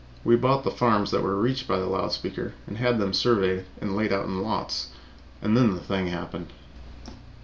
We bought the farms that were reached by the loud speaker and had them surveyed and laid out in lots and then the thing happened!